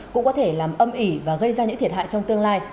cũng có thể làm âm ỉ và gây ra những thiệt hại trong tương lai